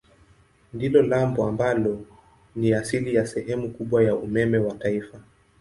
Ndilo lambo ambalo ni asili ya sehemu kubwa ya umeme wa taifa.